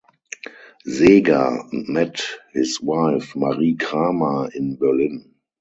Seeger met his wife Marie Cramer in Berlin.